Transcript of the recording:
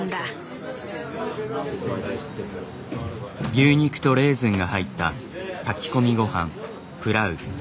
牛肉とレーズンが入った炊き込みごはん「プラウ」。